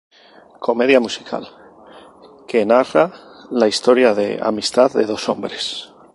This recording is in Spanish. Comedia musical que narra la historia de amistad de dos hombres.